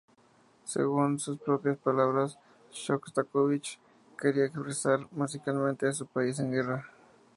Según sus propias palabras, Shostakóvich quería expresar musicalmente a su país en guerra.